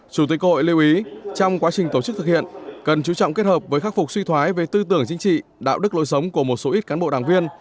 chủ tịch hội lưu ý trong quá trình tổ chức thực hiện cần chú trọng kết hợp với khắc phục suy thoái về tư tưởng chính trị đạo đức lối sống của một số ít cán bộ đảng viên